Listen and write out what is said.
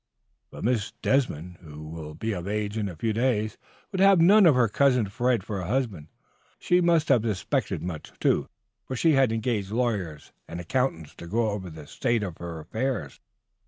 But Miss Desmond, who will be of age in a few days, would have none of her Cousin Fred for a husband. She must have suspected much, too, for she had engaged lawyers and accountants to go over the state of her affairs.